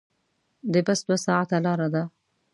د بس دوه ساعته لاره ده.